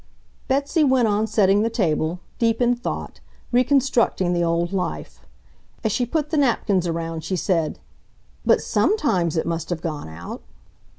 Betsy went on setting the table, deep in thought, reconstructing the old life. As she put the napkins around she said, "But SOMETIMES it must have gone out